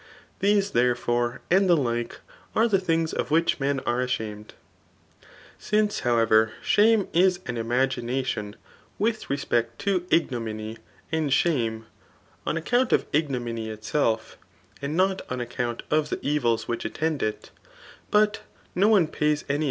Thes^ therefore, and die like'ate thi things of which i»en are adiamed, .Since, however, shame is an tma^nation with tesped toignommy, anddiame, on account of ignominy ksdf, and not on account of the evila which attend it ; but no one pays iany